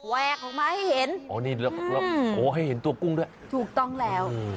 แวกออกมาให้เห็นอ๋อนี่แล้วโอ้ให้เห็นตัวกุ้งด้วยถูกต้องแล้ว